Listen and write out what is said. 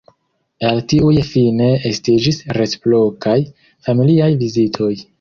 El tiuj fine estiĝis reciprokaj, familiaj vizitoj.